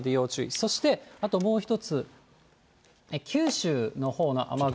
そしてあともう一つ、九州のほうの雨雲。